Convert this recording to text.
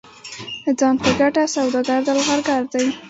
ځان په ګټه سوداګر درغلګر دي.